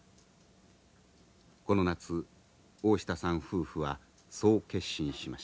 この夏大下さん夫婦はそう決心しました。